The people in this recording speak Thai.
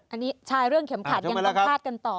อันนี้ใช่เรื่องเข็มขัดยังต้องคาดกันต่อ